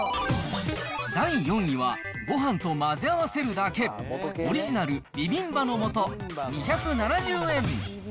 第４位は、ごはんと混ぜ合わせるだけ、オリジナルビビンバの素２７０円。